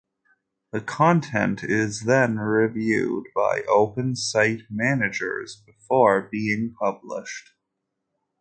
The content is then reviewed by Open Site managers before being published.